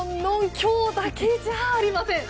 今日だけじゃありません。